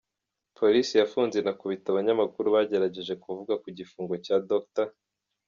Polisi yafunze inakubita abanyamakuru bagerageje kuvuga ku gifungo cya Dr.